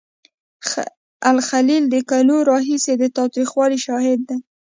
الخلیل د کلونو راهیسې د تاوتریخوالي شاهد دی.